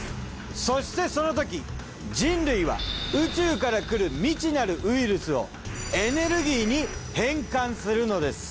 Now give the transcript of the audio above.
そしてその時人類は宇宙からくる未知なるウイルスをエネルギーに変換するのです。